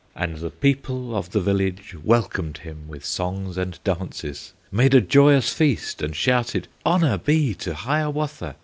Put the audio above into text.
And the people of the village Welcomed him with songs and dances, Made a joyous feast, and shouted: "Honor be to Hiawatha!